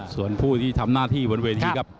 ส่วนผู้ที่ทำหน้าที่บนเวทีครับ